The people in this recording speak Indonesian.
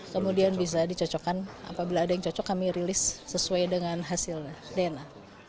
kemudian bisa dicocokkan apabila ada yang cocok kami rilis sesuai dengan hasil dna